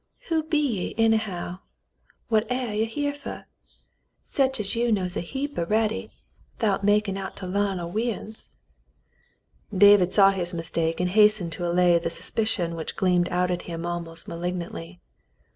"Who be ye, anyhow? What aire ye here fer? Sech as you knows a heap a'ready 'thout makin' out to larn o' we uns." David saw his mistake and hastened to allay the sus picion which gleamed out at him almost malignantly.